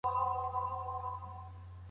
زغم د يوې سالنې ټولني نښه ده.